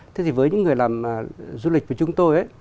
thế thì với những người làm du lịch của chúng tôi ấy